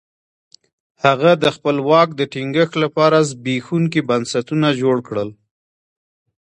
هغه د خپل واک د ټینګښت لپاره زبېښونکي بنسټونه جوړ کړل.